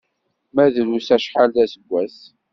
Ma drus acḥal d aseggas.